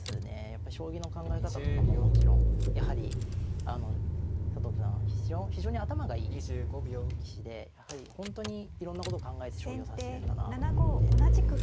やっぱり将棋の考え方とかももちろんやはりあの佐藤九段は非常に頭がいい棋士で本当にいろんなことを考えて将棋を指してるんだなと思って。